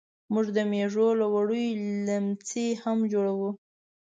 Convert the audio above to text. موږ د مېږو له وړیو لیمڅي هم جوړوو.